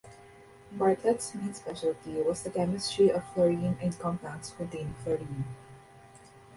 Bartlett's main specialty was the chemistry of fluorine and of compounds containing fluorine.